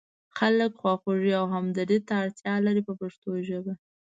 خلک خواخوږۍ او همدردۍ ته اړتیا لري په پښتو ژبه.